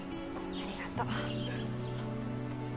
ありがとう。